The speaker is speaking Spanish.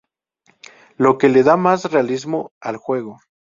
Lo que le da más realismo al juego.